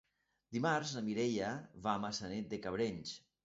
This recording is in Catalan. Dimarts na Mireia va a Maçanet de Cabrenys.